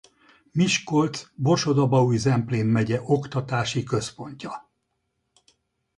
Miskolc Borsod-Abaúj-Zemplén megye oktatási központja.